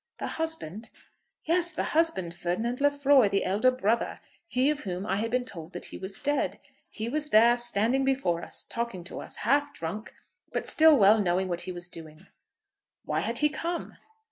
"The husband?" "Yes; the husband, Ferdinand Lefroy, the elder brother; he of whom I had been told that he was dead; he was there standing before us, talking to us, half drunk, but still well knowing what he was doing." "Why had he come?"